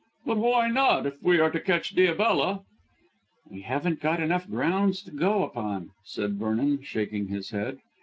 "But why not, if we are to catch Diabella?" "We haven't got enough grounds to go upon," said Vernon, shaking his head.